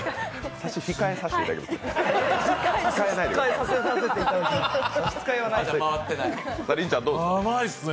差し控えさせていただきますね。